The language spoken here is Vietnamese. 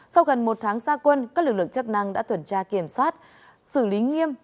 sau gần một tháng xa quân các lực lượng chắc năng đã tuần tra kiểm soát xử lý nghiêm